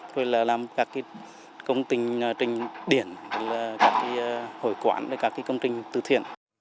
rồi là làm các cái